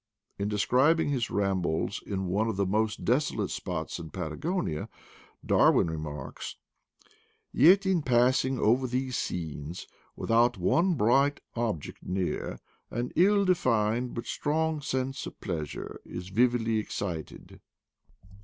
In describing his rambles in one of the most desolate spots in Patagonia, Darwin remarks: "Yet, in passing over these scenes, without one bright object near, an ill de fined but strong sense of pleasure is vividly ex cited."